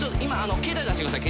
携帯携帯出してください。